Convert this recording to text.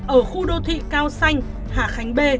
ở khu đô thị cao xanh hà khánh b